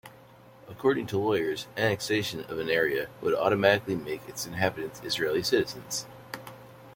According to lawyers, annexation of an area would automatically make its inhabitants Israeli citizens.